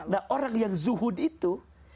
nah orang yang zuhud itu